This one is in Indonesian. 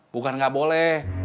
bukan gak boleh